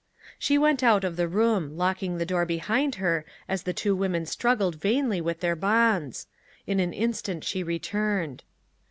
She went out of the room, locking the door behind her as the two women struggled vainly with their bonds. In an instant she returned.